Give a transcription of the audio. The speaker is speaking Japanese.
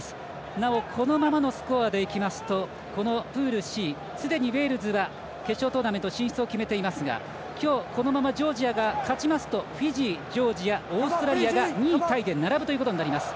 なお、このままのスコアでいきますと、プールＣすでにウェールズは決勝トーナメント進出を決めていますが今日、このままジョージアが勝ちますとフィジー、ジョージアオーストラリアが２位タイで並ぶことになります。